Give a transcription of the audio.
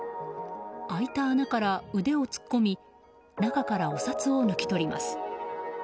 開いた穴から腕を突っ込み中からお札を抜き取ります。